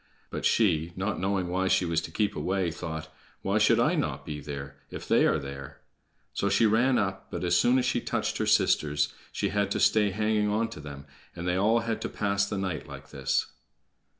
But she, not knowing why she was to keep away, thought, "Why should I not be there, if they are there?" So she ran up, but as soon as she touched her sisters she had to stay hanging on to them, and they all had to pass the night like this.